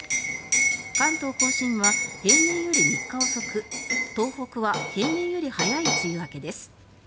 関東・甲信は平年より３日遅く東北は平年より早い梅雨明けです。